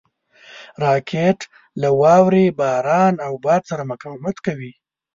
راکټ له واورې، باران او باد سره مقاومت کوي